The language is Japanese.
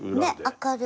明るいし。